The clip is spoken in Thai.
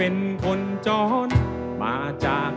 ขอบคุณมาก